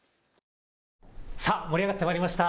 さあ盛り上がってまいりました。